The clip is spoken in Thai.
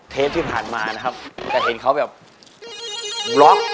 เทปที่ผ่านมานะครับจะเห็นเขาแบบล็อก